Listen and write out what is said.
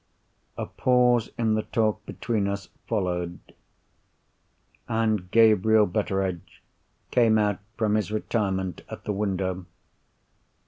A pause in the talk between us, followed—and Gabriel Betteredge came out from his retirement at the window.